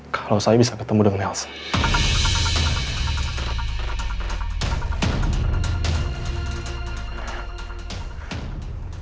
kalau saya bisa ketemu dengan melson